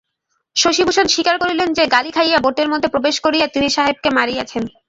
শশিভূষণ স্বীকার করিলেন যে, গালি খাইয়া বোটের মধ্যে প্রবেশ করিয়া তিনি সাহেবকে মারিয়াছেন।